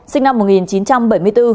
sinh năm một nghìn chín trăm bảy mươi bốn